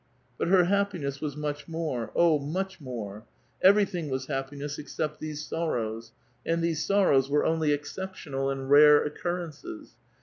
But her happiness was much more, oh, much more ! Everything was liappiness, except these sorrows ; and these sorrows were only exceptional and rare occurrences.